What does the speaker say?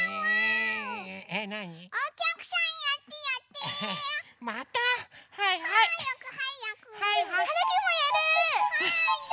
はい。